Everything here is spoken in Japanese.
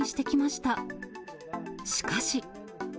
しかし。